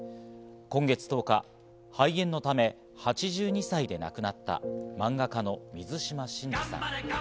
今月１０日、肺炎のため８２歳で亡くなった漫画家の水島新司さん。